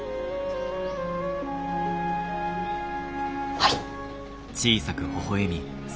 はい！